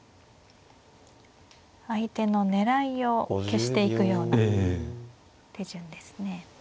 相手の狙いを消していくような手順ですね。